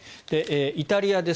イタリアです。